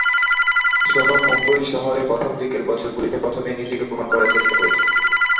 সোনু মুম্বই শহরে প্রথম দিকের বছরগুলিতে প্রথমে নিজেকে প্রমাণ করার চেষ্টা করছিলেন।